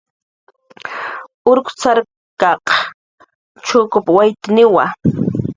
Urq cxarkaq chukup waytniwa